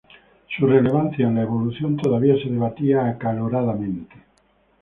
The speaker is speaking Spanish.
Su relevancia en la evolución todavía se debatía acaloradamente.